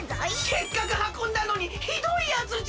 せっかくはこんだのにひどいやつじゃ！